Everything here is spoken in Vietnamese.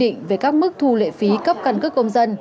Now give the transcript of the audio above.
các thông tin quy định về các mức thu lệ phí cấp căn cước công dân